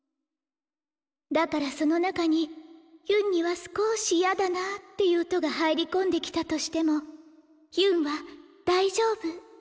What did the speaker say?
だからその中にヒュンにはすこし嫌だなっていう音が入り込んできたとしてもヒュンは大丈夫。